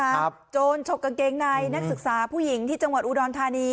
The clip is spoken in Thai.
โจรฉกกางเกงในนักศึกษาผู้หญิงที่จังหวัดอุดรธานี